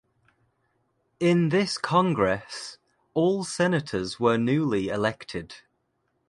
In this Congress, all Senators were newly elected.